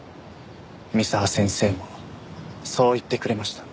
三沢先生もそう言ってくれました。